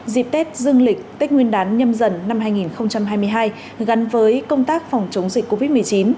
dịp tết dương lịch tết nguyên đán nhâm dần năm hai nghìn hai mươi hai gắn với công tác phòng chống dịch covid một mươi chín